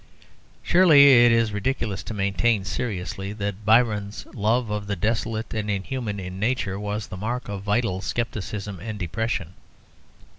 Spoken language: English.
Surely it is ridiculous to maintain seriously that Byron's love of the desolate and inhuman in nature was the mark of vital scepticism and depression.